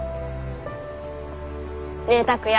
ねえ拓哉。